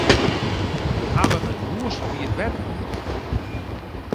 Wy hawwe in hûs by it wetter hierd.